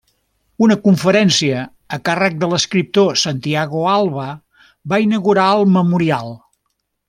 Una conferència a càrrec de l'escriptor Santiago Alba va inaugurar el memorial.